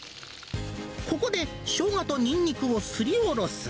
ここで、ショウガとニンニクをすりおろす。